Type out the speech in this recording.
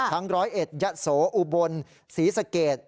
ทั้งร้อยเอ็ดยะโสอุบลศรีสเกต